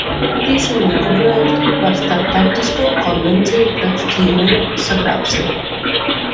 "Izskatīsim likumprojektu "Par Starptautisko konvenciju pret ķīlnieku sagrābšanu"."